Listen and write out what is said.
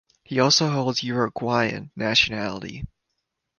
He also holds Uruguayan nationality.